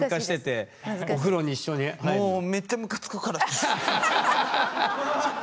もうめっちゃムカつくから。